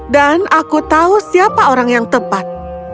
aku tahu siapa orang yang tepat